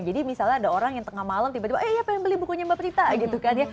jadi misalnya ada orang yang tengah malam tiba tiba ayo ya pengen beli bukunya mbak prita gitu kan ya